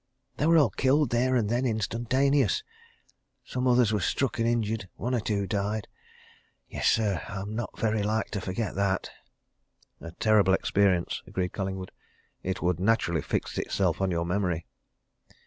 They were all killed there and then instantaneous. Some others were struck and injured one or two died. Yes, sir, I'm not very like to forget that!" "A terrible experience!" agreed Collingwood. "It would naturally fix itself on your memory."